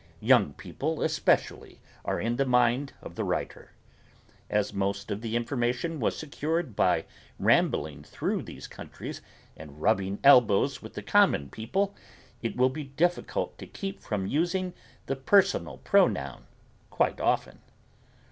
Young people especially are in the mind of the writer. As most of the information was secured by rambling through these countries and rubbing elbows with the common people it will be difficult to keep from using the personal pronoun quite often.